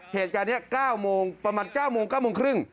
เหตุจานนี้ประมาณ๙โมง๙โมงครึ่ง